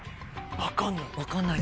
分かんない。